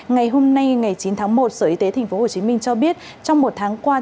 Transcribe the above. ngày hôm nay ngày chín tháng một sở y tế tp hcm cho biết trong một tháng qua